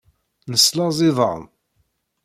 Neslaẓ iḍan.